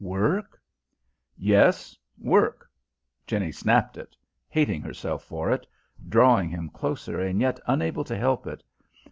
"Work?" "Yes, work." Jenny snapped it: hating herself for it, drawing him closer, and yet unable to help it.